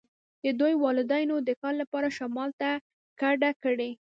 د دوی والدینو د کار لپاره شمال ته کډه کړې